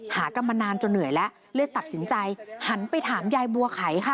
หากันมานานจนเหนื่อยแล้วเลยตัดสินใจหันไปถามยายบัวไขค่ะ